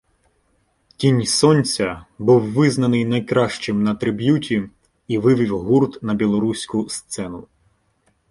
«Тінь Сонця» був визнаний найкращим на триб'юті і вивів гурт на білоруську сцену